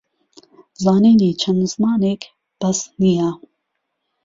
زانینی چەندزمانێک بەس نییە